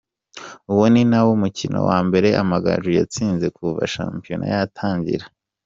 Uwo ni nawo mukino wa mbere Amagaju yatsinze kuva shampiyona yatangira.